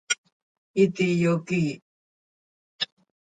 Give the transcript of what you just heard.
Iti yoquiih.